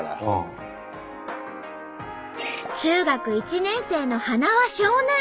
中学１年生のはなわ少年